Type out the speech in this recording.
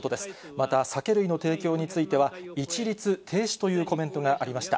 また酒類の提供については、一律停止というコメントがありました。